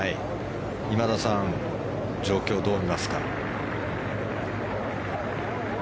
今田さん状況をどう見ますか。